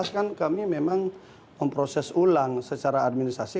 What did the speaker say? kan kami memang memproses ulang secara administrasi